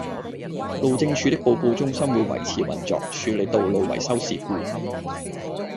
路政署的報告中心會維持運作，處理道路維修事故